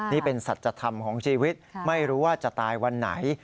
นี่เป็นสัจธรรมของชีวิตไม่รู้ว่าจะตายวันไหน